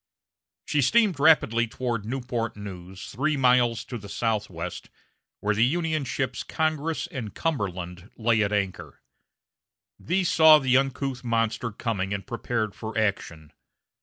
She steamed rapidly toward Newport News, three miles to the southwest, where the Union ships Congress and Cumberland lay at anchor. These saw the uncouth monster coming and prepared for action.